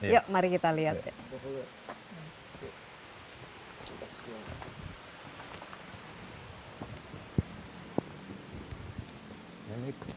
yuk mari kita lihat